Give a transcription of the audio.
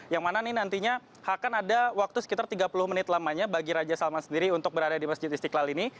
yang mana ini nantinya akan ada waktu sekitar tiga puluh menit lamanya bagi raja salman sendiri untuk berada di masjid istiqlal ini